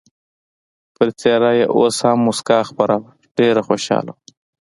پر څېره یې اوس هم مسکا خپره وه، ډېر خوشحاله و.